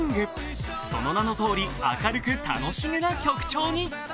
その名のとおり明るく楽しげな曲調に。